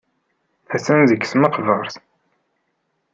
Attan deg tmeqbert.